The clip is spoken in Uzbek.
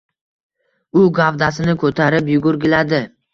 U gavdasini ko‘rib yugurgiladi.